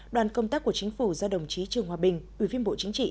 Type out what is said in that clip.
đoàn công tác của chính phủ do đồng chí trương hòa bình ủy viên bộ chính trị